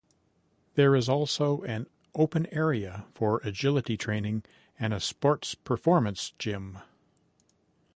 There is also an open area for agility training, and a sports performance gym.